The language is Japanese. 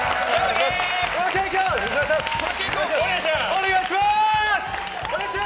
お願いしまーす！